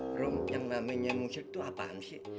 bro yang namanya musyrik itu apaan sih